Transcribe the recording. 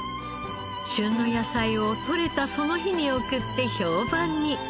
旬の野菜を採れたその日に送って評判に。